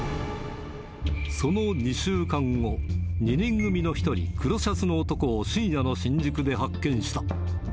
その２週間後、２人組の１人、黒シャツの男を深夜の新宿で発見した。